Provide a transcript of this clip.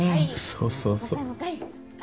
そうそうそう。